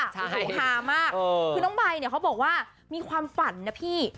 คือฮามากคือน้องใบเนี่ยเขาบอกว่ามีความฝันนะพี่